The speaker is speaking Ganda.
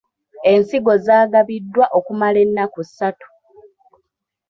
Ensigo zaagabiddwa okumala ennaku ssatu.